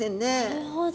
なるほど。